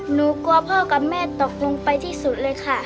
หนูกลัวพ่อกับแม่ตกลงไปที่สุดเลยค่ะ